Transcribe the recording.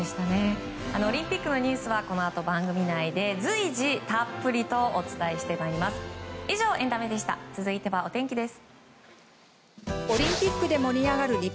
オリンピックのニュースはこのあと番組内で随時たっぷりとお伝えします。